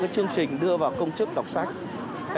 chương trình đưa vào công chức đọc sách